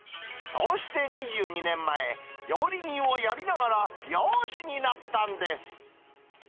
そうして２２年前、料理人をやりながら、漁師になったんです。